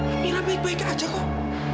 amirah baik baik aja loh